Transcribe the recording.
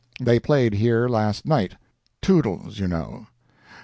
They played here last night—"Toodles," you know.